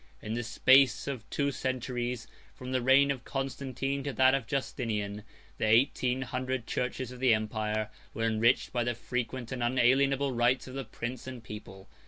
In the space of two centuries, from the reign of Constantine to that of Justinian, the eighteen hundred churches of the empire were enriched by the frequent and unalienable gifts of the prince and people.